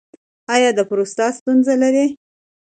ایا د پروستات ستونزه لرئ؟